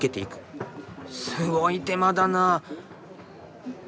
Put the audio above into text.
すごい手間だな。